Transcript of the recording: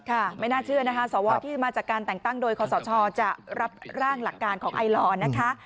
ค่ะไม่น่าเชื่อนะครับสวที่มาจากการแต่งตั้งโดยคศจะรับร่างหลักการของไอลอด้วย